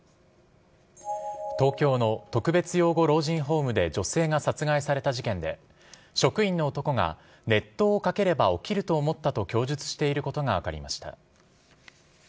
東京の特別養護老人ホームで女性が殺害された事件で、職員の男が、熱湯をかければ起きると思ったと供述していることが分かりました。